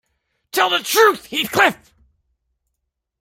Tell the truth, Heathcliff!